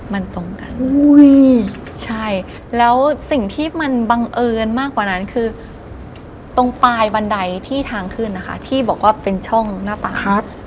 มันตรงกันใช่แล้วสิ่งที่มันบังเอิญมากกว่านั้นคือตรงปลายบันไดที่ทางขึ้นนะคะที่บอกว่าเป็นช่องหน้าต่าง